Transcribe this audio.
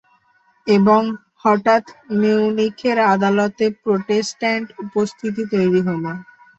এবং হঠাৎ মিউনিখের আদালতে প্রোটেস্ট্যান্ট উপস্থিতি তৈরি হল।